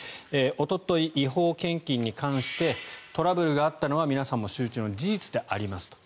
おととい、違法献金に関してトラブルがあったのは皆さんも周知の事実でありますと。